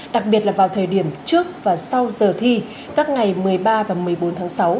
đặc biệt là vào thời điểm trước và sau giờ thi các ngày một mươi ba và một mươi bốn tháng sáu